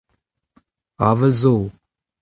avel zo.